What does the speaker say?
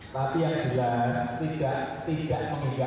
tapi yang jelas tidak menginjak tahun ke depan